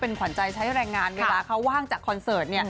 ขวัญใจใช้แรงงานเวลาเขาว่างจากคอนเสิร์ต